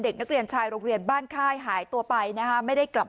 เด็กนักเรียนชายโรงเรียนบ้านค่ายหายตัวไปนะฮะไม่ได้กลับ